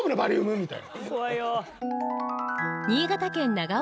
みたいな。